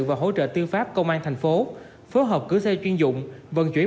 và hỗ trợ tiêu pháp công an thành phố phối hợp cứu xe chuyên dụng vận chuyển